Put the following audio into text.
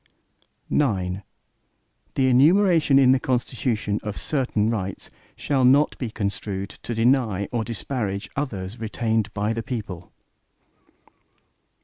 IX The enumeration in the Constitution, of certain rights, shall not be construed to deny or disparage others retained by the people.